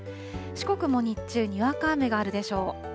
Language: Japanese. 四国も日中、にわか雨があるでしょう。